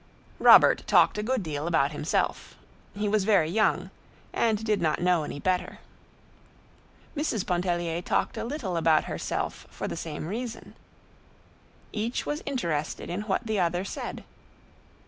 Robert talked a good deal about himself. He was very young, and did not know any better. Mrs. Pontellier talked a little about herself for the same reason. Each was interested in what the other said.